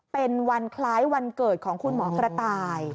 เป็นวันคล้ายวันเกิดของคุณหมอกระต่าย